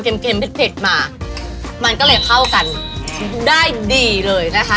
เค็มเผ็ดมามันก็เลยเข้ากันได้ดีเลยนะคะ